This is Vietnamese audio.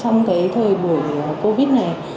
trong cái thời buổi covid này